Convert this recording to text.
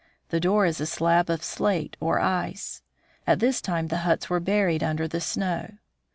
The door is a slab of slate or ice. At this time the huts were buried under the snow.